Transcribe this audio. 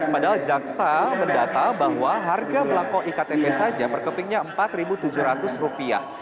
padahal jaksa mendata bahwa harga belangko iktp saja perkepingnya empat tujuh ratus rupiah